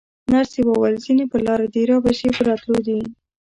نرسې وویل: ځینې پر لاره دي، رابه شي، په راتلو دي.